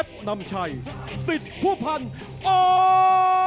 เผ็ดน้ำชัยสิทธิ์ผู้พันธ์ออธ